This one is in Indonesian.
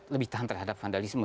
lebih tahan terhadap vandalisme